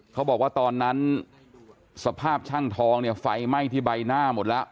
เขาบอกว่าตอนนั้นสภาพช่างทองเนี่ยไฟไหม้ที่ใบหน้าหมดแล้ว